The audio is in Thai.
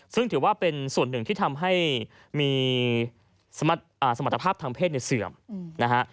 ซึ่งถือว่าเป็นส่วนหนึ่งที่ทำให้มีสมรรถภาพทางเพศในเสื่อมนะฮะ